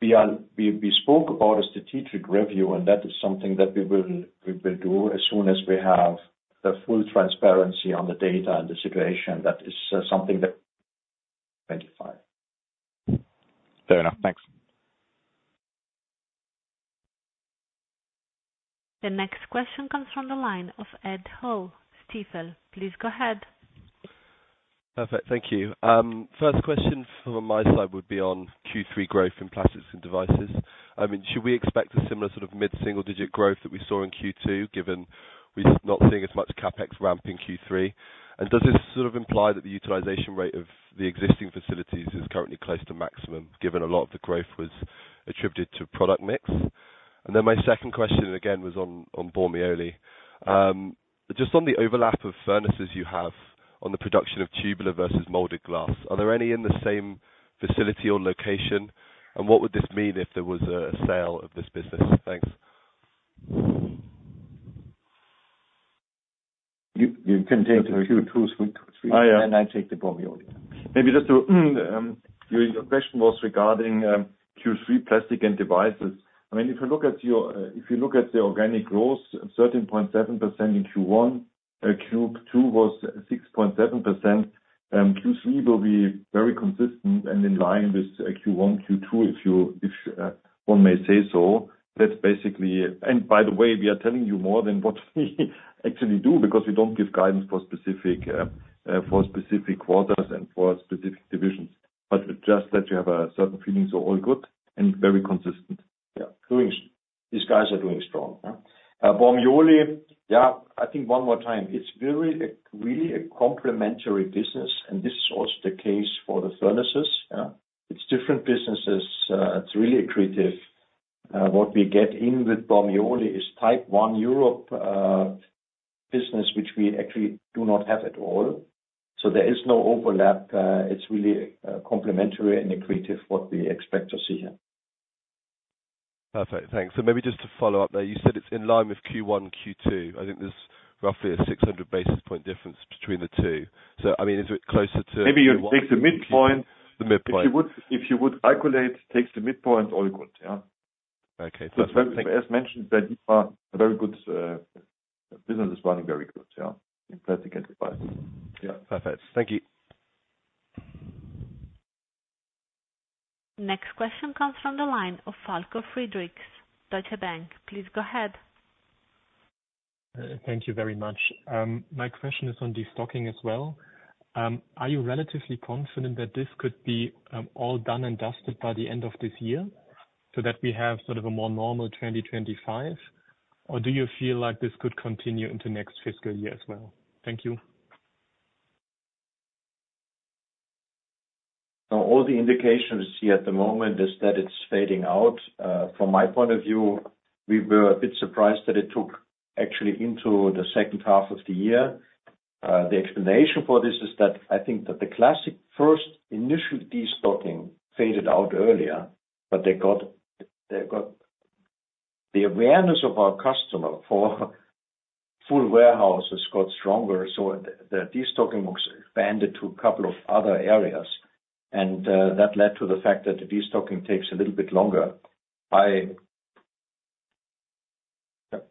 We are, we spoke about a strategic review and that is something that we will do as soon as we have the full transparency on the data and the situation. That is, something that 25. Fair enough. Thanks. The next question comes from the line of Ed Hall from Stifel. Please go ahead. Perfect. Thank you. First question from my side would be on Q3 growth in plastics and devices should we expect a similar sort of mid-single-digit growth that we saw in Q2, given we're not seeing as much CapEx ramp in Q3? And does this sort of imply that the utilization rate of the existing facilities is currently close to maximum, given a lot of the growth was attributed to product mix? And then my second question, again, was on Bormioli. Just on the overlap of furnaces you have on the production of tubular versus molded glass, are there any in the same facility or location? And what would this mean if there was a sale of this business? Thanks. You can take the Q2 & Q3 and I take the Bormioli. Maybe just to your question was regarding Q3 Plastics & Devices. If you look at the organic growth, 13.7% in Q1, Q2 was 6.7%, Q3 will be very consistent and in line with Q1, Q2, one may say so, that's basically.. and by the way, we are telling you more than what we actually do, because we don't give guidance for specific quarters and for specific divisions just that you have a certain feelings are all good and very consistent. These guys are doing strong, huh? Bormioli one more time, it's really a, really a complementary business and this is also the case for the furnaces. It's different businesses. It's really accretive. What we get in with Bormioli is Type 1 Europe business, which we actually do not have at all. There is no overlap. It's really complementary and accretive, what we expect to see here. Perfect. Thanks. Maybe just to follow up there, you said it's in line with Q1, Q2. There's roughly a 600 basis point difference between the two. Is it closer to- Maybe you take the midpoint. If you would, if you would calculate, takes the midpoint, all good. As mentioned, that you are a very good business is running very good in Plastics & Devices. Perfect. Thank you. Next question comes from the line of Falko Friedrichs, Deutsche Bank. Please go ahead. Thank you very much. My question is on destocking as well. Are you relatively confident that this could be all done and dusted by the end of this year, so that we have sort of a more normal 2025? Or do you feel like this could continue into next fiscal year as well? Thank you. All the indications we see at the moment is that it's fading out. From my point of view, we were a bit surprised that it took actually into the H2 of the year. The explanation for this is that the classic first initial destocking faded out earlier the awareness of our customer for full warehouses got stronger, so the destocking expanded to a couple of other areas and that led to the fact that the destocking takes a little bit longer.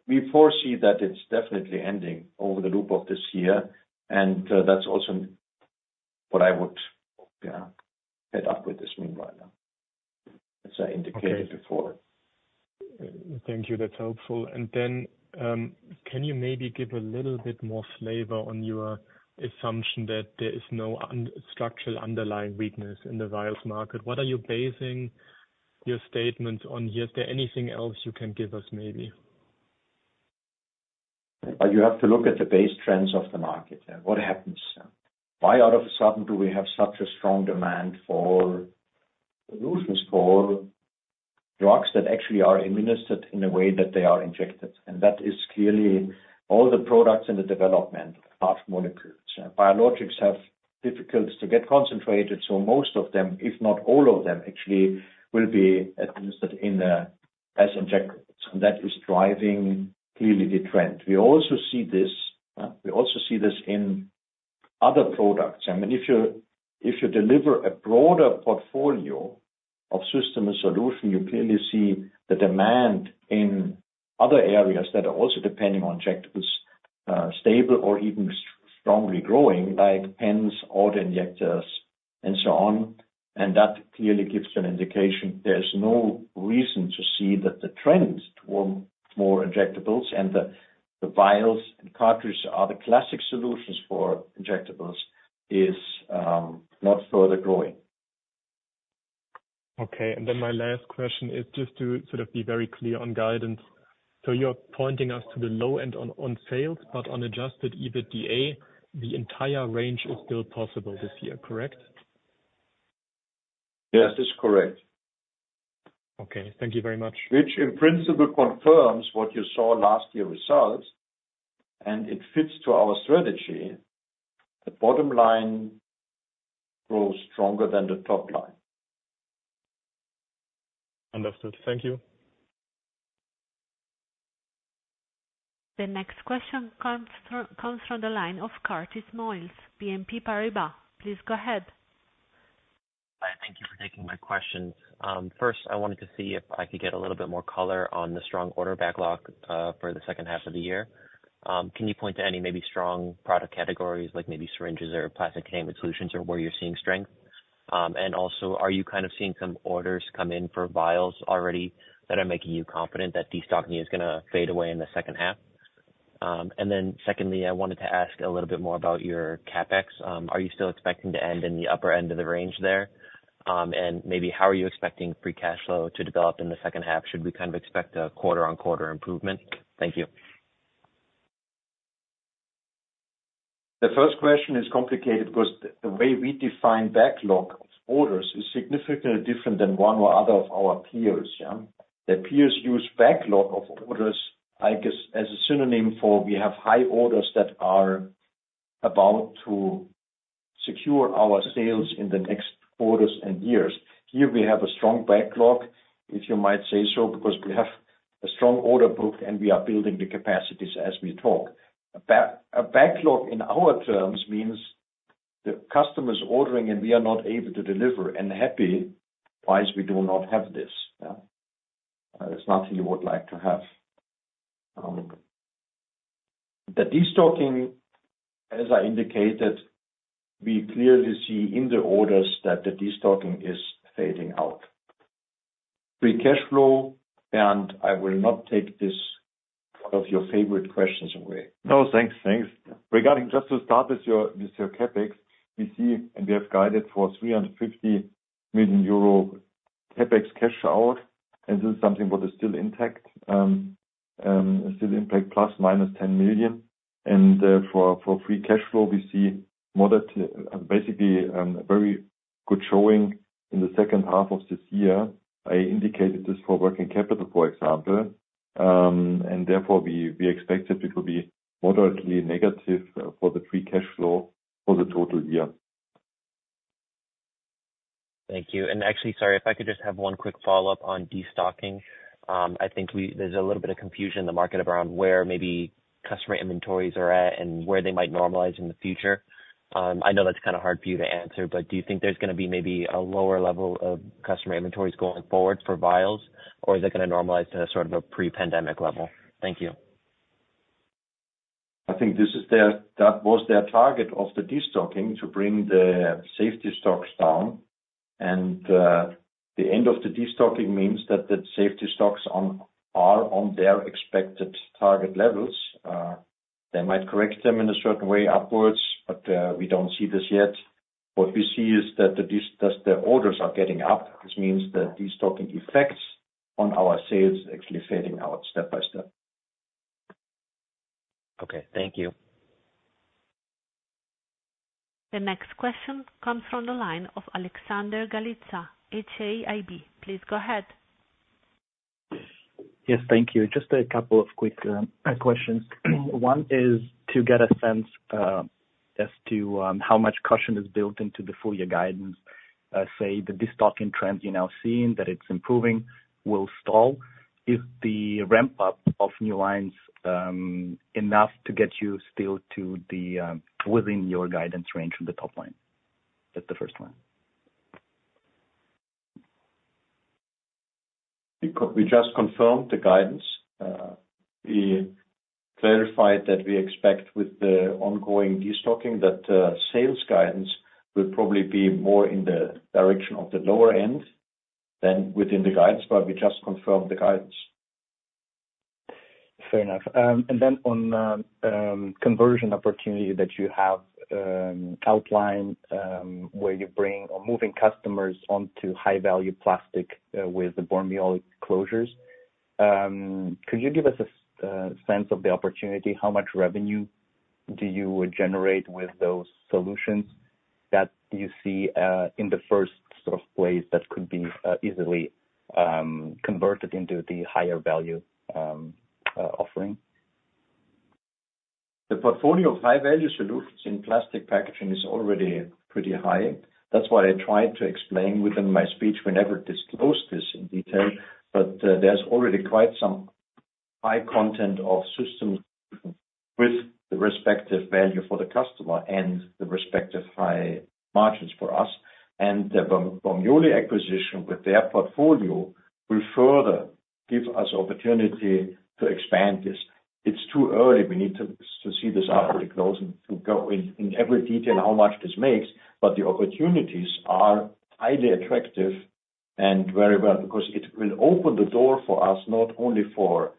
We foresee that it's definitely ending over the loop of this year and that's also what I would head up with this meanwhile, as I indicated before. Thank you. That's helpful and then, can you maybe give a little bit more flavor on your assumption that there is no structural underlying weakness in the vials market? What are you basing your statement on here? Is there anything else you can give us, maybe? You have to look at the base trends of the market and what happens. Why, all of a sudden, do we have such a strong demand for solutions for drugs that actually are administered in a way that they are injected? And that is clearly all the products in the development of molecules. Biologics have difficulties to get concentrated, so most of them, if not all of them, actually, will be administered in a, as injectables and that is driving clearly the trend. We also see this, we also see this in other products. If you deliver a broader portfolio of system and solution, you clearly see the demand in other areas that are also depending on injectables, stable or even strongly growing, like pens, auto-injectors and so on. That clearly gives an indication there's no reason to see that the trends toward more injectables and the vials and cartridges are the classic solutions for injectables is not further growing. And then my last question is just to sort of be very clear on guidance. You're pointing us to the low end on, on sales on adjusted EBITDA, the entire range is still possible this year, correct? Yes, that's correct. Thank you very much. Which in principle confirms what you saw last year results and it fits to our strategy. The bottom line grows stronger than the top line. Understood. Thank you. The next question comes from the line of Curtis Moiles, BNP Paribas. Please go ahead. Hi, thank you for taking my questions. First, I wanted to see if I could get a little bit more color on the strong order backlog, for the H2 of the year. Can you point to any maybe strong product categories, like maybe syringes or plastic containment solutions, or where you're seeing strength? And also, are you kind of seeing some orders come in for vials already that are making you confident that destocking is going to fade away in the H2? And then secondly, I wanted to ask a little bit more about your CapEx. Are you still expecting to end in the upper end of the range there? And maybe how are you expecting free cash flow to develop in the H2? Should we kind of expect a quarter-on-quarter improvement? Thank you. The first question is complicated because the way we define backlog of orders is significantly different than one or other of our peers. The peers use backlog of orders as a synonym for we have high orders that are about to secure our sales in the next quarters and years. Here we have a strong backlog, if you might say so, because we have a strong order book and we are building the capacities as we talk. A backlog in our terms means the customer is ordering and we are not able to deliver and happily, we do not have this. It's not we would like to have. The destocking, as I indicated, we clearly see in the orders that the destocking is fading out. Free Cash Flow and I will not take this one of your favorite questions away. No, thanks. Regarding just to start with your CapEx, we see and we have guided for 350 million euro CapEx cash out and this is something that is still intact, still intact, ±10 million and for free cash flow, we see moderate, basically, a very good showing in the H2 of this year. I indicated this for working capital, for example and therefore, we expect it to be moderately negative for the free cash flow for the total year. Thank you and actually, sorry, if I could just have one quick follow-up on destocking. There's a little bit of confusion in the market around where maybe customer inventories are at and where they might normalize in the future. I know that's kind of hard for you to answer do you think there's going to be maybe a lower level of customer inventories going forward for vials, or is it going to normalize to sort of a pre-pandemic level? Thank you. This is their that was their target of the destocking, to bring the safety stocks down and the end of the destocking means that the safety stocks are on their expected target levels. They might correct them in a certain way upwards we don't see this yet. What we see is that the orders are getting up, which means that destocking effects on our sales actually fading out step by step. Thank you. The next question comes from the line of Alexander Galitsa, HAIB. Please go ahead. Yes, thank you. Just a couple of quick questions. One is to get a sense as to how much caution is built into the full-year guidance. Say, the destocking trends you're now seeing, that it's improving, will stall. Is the ramp-up of new lines enough to get you still to the within your guidance range from the top line? That's the first one. We just confirmed the guidance. We clarified that we expect with the ongoing destocking, that sales guidance will probably be more in the direction of the lower end than within the guidance we just confirmed the guidance. Fair enough and then on... conversion opportunity that you have outlined, where you're bring or moving customers onto high-value plastic with the Bormioli closures. Could you give us a sense of the opportunity? How much revenue do you generate with those solutions that you see in the first sort of place that could be easily converted into the higher value offering? The portfolio of High-Value Solutions in plastic packaging is already pretty high. That's why I tried to explain within my speech. We never disclose this in detail there's already quite some high content of systems with the respective value for the customer and the respective high margins for us and the Bormioli acquisition with their portfolio will further give us opportunity to expand this. It's too early. We need to see this out with those and to go in every detail how much this makes. The opportunities are highly attractive and very well, because it will open the door for us, not only for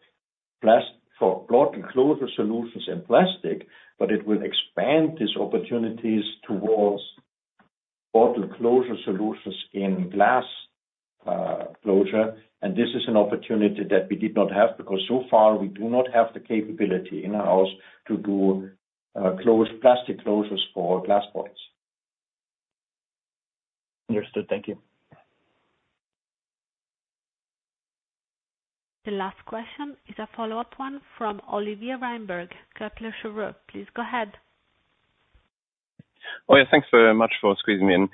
plastic for bottle closure solutions and plastic it will expand these opportunities towards bottle closure solutions in glass, closure. This is an opportunity that we did not have, because so far, we do not have the capability in-house to do plastic closures for glass bottles. Understood. Thank you. The last question is a follow-up one from Oliver Reinberg from Kepler Cheuvreux. Please go ahead. Thanks very much for squeezing me in.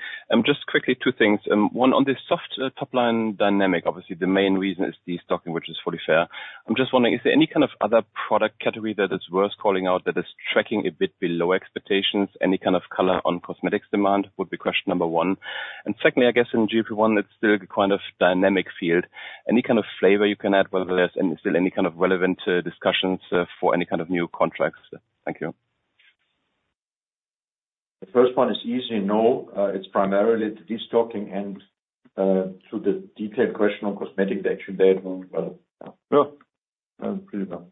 Just quickly, two things. One, on the soft top-line dynamic, obviously, the main reason is destocking, which is fully fair. I'm just wondering, is there any kind of other product category that is worth calling out, that is tracking a bit below expectations? Any kind of color on cosmetics demand would be question number one and secondly in GLP-1, It's still kind of dynamic field. Any kind of flavor you can add, whether there's any, still any kind of relevant discussions for any kind of new contracts? Thank you. The first one is easy: No, it's primarily the destocking and, to the detailed question on cosmetic, the actual data went pretty well.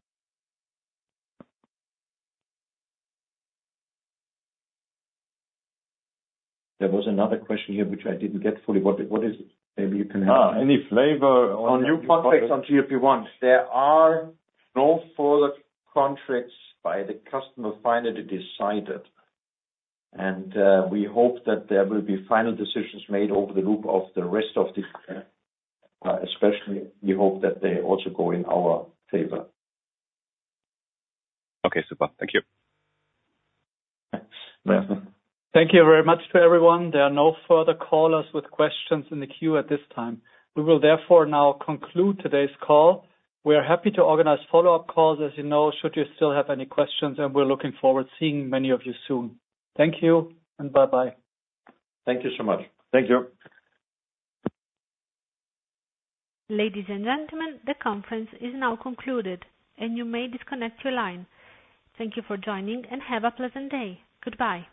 There was another question here, which I didn't get fully. What, what is it? Maybe you can help. any flavor o On new contracts on GLP-1, there are no further contracts by the customer finally decided. We hope that there will be final decisions made over the loop of the rest of this year. Especially, we hope that they also go in our favor. Super. Thank you. Thanks. Thank you very much to everyone. There are no further callers with questions in the queue at this time. We will therefore now conclude today's call. We are happy to organize follow-up calls as should you still have any questions and we're looking forward to seeing many of you soon. Thank you and bye-bye. Thank you so much. Thank you. Ladies and gentlemen, the conference is now concluded and you may disconnect your line. Thank you for joining and have a pleasant day. Goodbye.